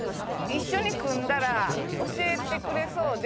一緒に組んだら教えてくれそうで。